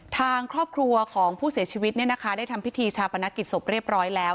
ทางครอบครัวของผู้เสียชีวิตเนี่ยนะคะได้ทำพิธีชาปนกิจศพเรียบร้อยแล้ว